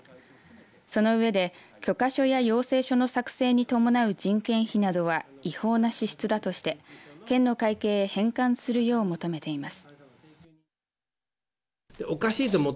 その上で許可書や要請書の作成に伴う人件費などは違法な支出だとして県の会計へ返還するよう求めています。